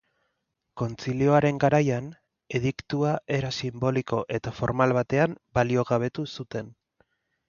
Kontzilioaren garaian, ediktua era sinboliko eta formal batean baliogabetu zuten.